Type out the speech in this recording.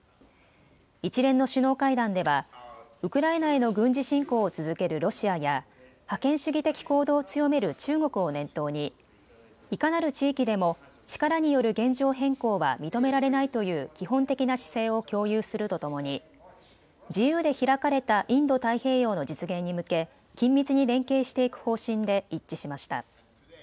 一連の首脳会談では、ウクライナへの軍事侵攻を続けるロシアや、覇権主義的行動を強める中国を念頭に、いかなる地域でも力による現状変更は認められないという基本的な姿勢を共有するとともに、自由で開かれたインド太平洋の実現に向け、緊密に連携していく方針で一致しました。